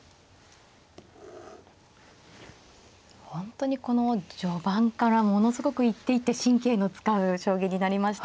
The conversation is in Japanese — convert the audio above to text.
本当にこの序盤からものすごく一手一手神経の使う将棋になりましたね。